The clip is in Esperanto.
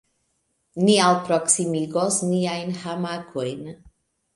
Ni alproksimigos niajn hamakojn.